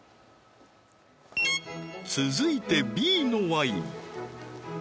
続いてＢのワイン